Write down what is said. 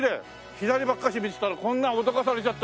左ばっかし見てたらこんな驚かされちゃった。